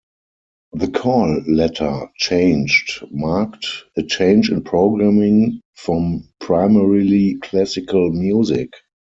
The call letter changed marked a change in programming from primarily classical music.